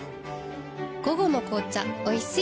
午後の紅茶おいしい